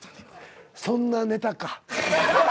そんなネタか。